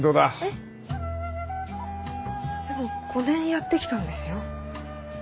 えっでも５年やってきたんですよ。